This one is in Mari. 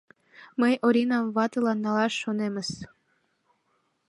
Мый Оринам ватылан налаш шонемыс.